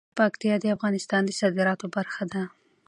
پکتیا د افغانستان د صادراتو برخه ده.